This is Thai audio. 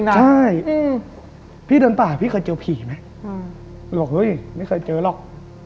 ใช่พี่เดินป่าพี่เคยเจอผีไหมบอกเฮ้ยไม่เคยเจอหรอก